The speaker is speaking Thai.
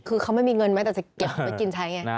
คือเขาไม่มีเงินไหมจะจะเก็บไปกินใช้ไง